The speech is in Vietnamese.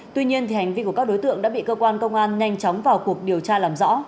tuy nhiên hành vi của các đối tượng đã bị cơ quan công an nhanh chóng vào cuộc điều tra làm rõ